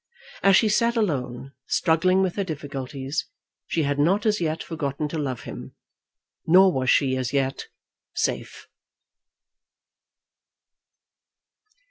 As she sat alone struggling with her difficulties, she had not as yet forgotten to love him, nor was she as yet safe.